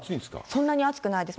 そんなに暑くないです。